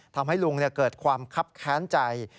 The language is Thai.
ทำให้ลุงเกิดความคับแค้นใจ